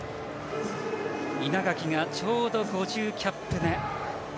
稲垣がちょうど５０キャップ目。